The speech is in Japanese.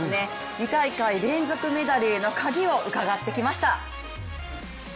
２大会連続メダルへのカギを伺ってきました。